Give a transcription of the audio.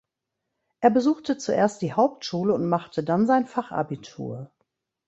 Er besuchte zuerst die Hauptschule und machte dann sein Fachabitur.